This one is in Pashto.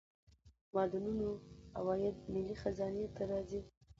د معدنونو عواید ملي خزانې ته ځي